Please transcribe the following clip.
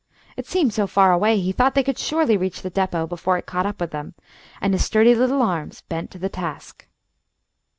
It seemed so far away he thought they could surely reach the depot before it caught up with them, and his sturdy little arms bent to the task.